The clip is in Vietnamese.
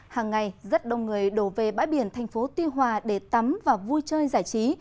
hàng ngày rất đông người đổ về bãi biển tp tuy hòa để tắm và vui chơi giải trí